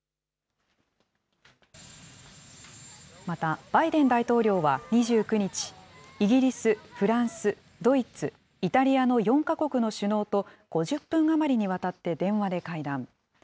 また、バイデン大統領は２９日、イギリス、フランス、ドイツ、イタリアの４か国の首脳と５０分余りにわたって電話で会談。